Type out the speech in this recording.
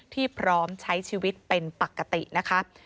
ที่พร้อมใช้ชีวิตเป็นปกตินะคะ